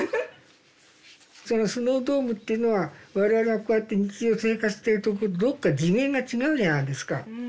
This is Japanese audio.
そのスノードームっていうのは我々がこうやって日常生活しているところとどっか次元が違うじゃないですか。